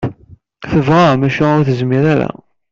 Tebɣa maca ur tezmir ara.